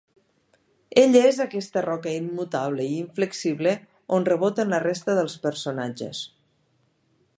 Ell és aquesta roca immutable i inflexible, on reboten la resta dels personatges.